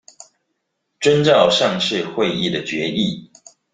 遵照上次會議的決議